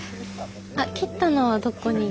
あっ切ったのはどこに？